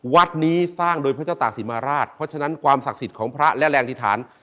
วัดนี้สร้างโดยพระเจ้าตากศิมาราชเพราะฉะนั้นความศักดิ์สิทธิ์ของพระและแรงอธิษฐาน